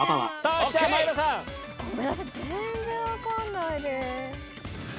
ごめんなさい全然分かんない。